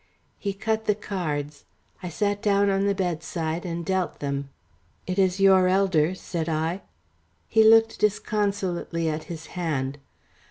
He cut the cards. I sat down on the bedside and dealt them. "It is your elder," said I. He looked disconsolately at his hand.